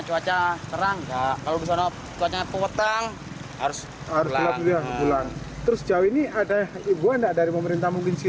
cuma mengandalkan tanda alam berarti ya